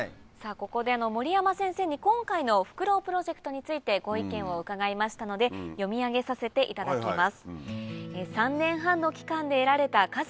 ここで守山先生に今回のフクロウプロジェクトについてご意見を伺いましたので読み上げさせていただきます。